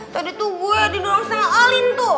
tadi tuh gue didorong sama alin tuh